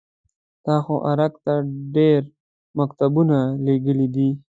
تا خو ارګ ته ډېر مکتوبونه لېږلي دي.